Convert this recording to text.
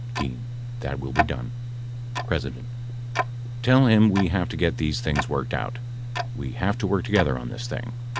D. That will be done. P. Tell him we have to get these things worked out. We have to work together on this thing.